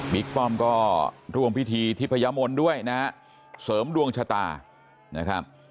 ป้อมก็ร่วมพิธีทิพยมนต์ด้วยนะฮะเสริมดวงชะตานะครับ